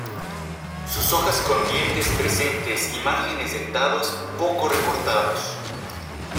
Sus hojas con dientes presentes y márgenes dentados poco recortados.